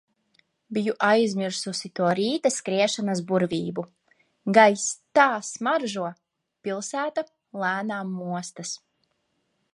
Biju aizmirsusi to rīta skriešanas burvību. Gaiss tā smaržo, pilsēta lēnām mostas.